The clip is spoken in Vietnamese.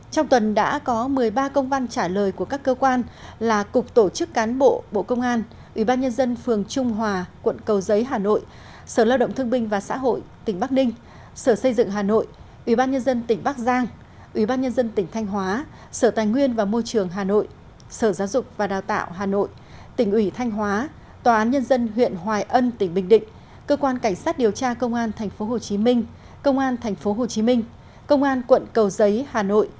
trong tuần đã có một mươi ba công văn trả lời của các cơ quan là cục tổ chức cán bộ bộ công an ủy ban nhân dân phường trung hòa quận cầu giấy hà nội sở lao động thương binh và xã hội tỉnh bắc đinh sở xây dựng hà nội ủy ban nhân dân tỉnh bắc giang ủy ban nhân dân tỉnh thanh hóa sở tài nguyên và môi trường hà nội sở giáo dục và đào tạo hà nội tỉnh ủy thanh hóa tòa án nhân dân huyện hoài ân tỉnh bình định cơ quan cảnh sát điều tra công an thành phố hồ chí minh